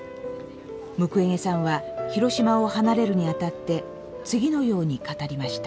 ムクウェゲさんは広島を離れるにあたって次のように語りました。